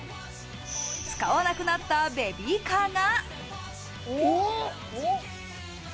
使わなくなったベビーカーが。